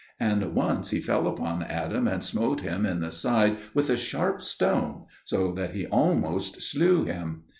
And once he fell upon Adam and smote him in the side with a sharp stone so that he almost slew him.